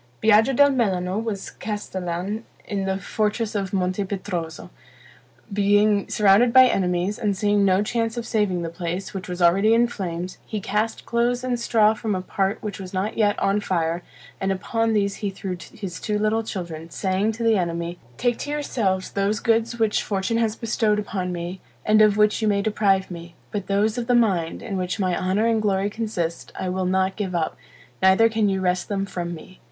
Biaggio del Melano was castellan in the fortress of Monte Petroso. Being surrounded by enemies, and seeing no chance of saving the place, which was already in flames, he cast clothes and straw from a part which was not yet on fire, and upon these he threw his two little children, saying to the enemy, "Take to yourselves those goods which fortune has bestowed upon me, and of which you may deprive me; but those of the mind, in which my honor and glory consist, I will not give up, neither can you wrest them from me."